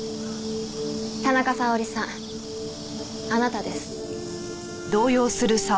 田中沙織さんあなたです。